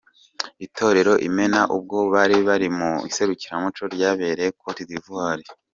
Itorero Imena ubwo bari bari mu iserukiramuco ryabereye Cote d' Ivoir.